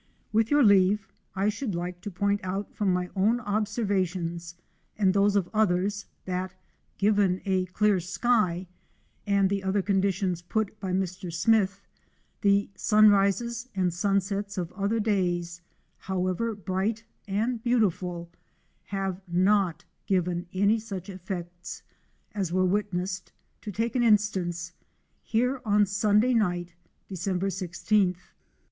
With your leave I should like to point out from my own observations and those of others that, " given a clear sky " and the other conditions put by Mr. Smyth, the sunrises and sunsets of other days, however bright and beautiful, have 710I given anv such effects as were witnessed, to take an instance, here on Sunday night, December i6th.